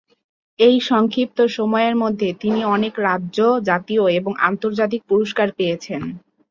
এই সংক্ষিপ্ত সময়ের মধ্যে তিনি অনেক রাজ্য, জাতীয় এবং আন্তর্জাতিক পুরস্কার পেয়েছেন।